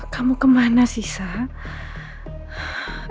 kamu kemana sih sal